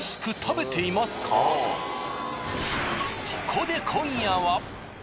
そこで今夜は。